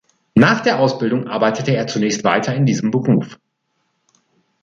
Nach der Ausbildung arbeitete er zunächst weiter in diesem Beruf.